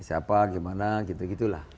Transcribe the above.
siapa gimana gitu gitulah